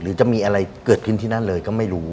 หรือจะมีอะไรเกิดขึ้นที่นั่นเลยก็ไม่รู้